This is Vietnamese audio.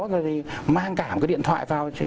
thậm chí là có những cháu mang cả một cái điện thoại vào